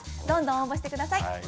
どんどん応募してください。